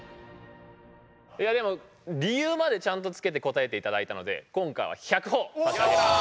いやでも理由までちゃんとつけて答えていただいたので今回は１００ほぉ差し上げます。